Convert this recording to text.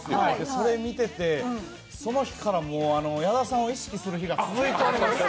それ見てて、その日からもう矢田さんを意識する日が続いておりまして。